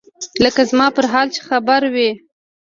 لکه زما پر حال چې خبر وي.